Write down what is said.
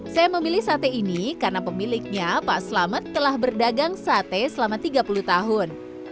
saya memilih sate ini karena pemiliknya pak selamet telah berdagang sate selama tiga puluh tahun